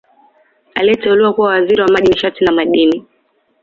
Aliteuliwa kuwa Waziri wa Maji Nishati na Madini